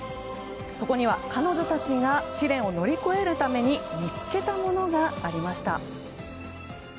そこには、彼女たちが試練を乗り越えるために見つけたものがありました。